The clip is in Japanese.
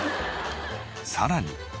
さらに。